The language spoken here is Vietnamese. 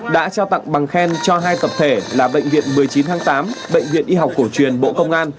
đã trao tặng bằng khen cho hai tập thể là bệnh viện một mươi chín tháng tám bệnh viện y học cổ truyền bộ công an